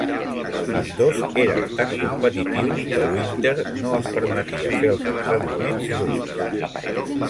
Ambdós eren tan competitius, que Winter no els permetia fer els entrenaments junts.